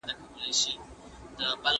د علم د والا ترور پروګرامونه باید خوندي وي.